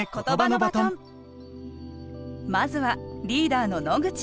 まずはリーダーの野口。